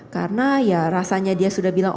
karena ya rasanya dia sudah bilang